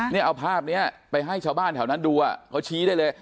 นี่เอาภาพนี้ไปให้ชาวบ้านแถวนั้นดูเขาชี้ได้เลย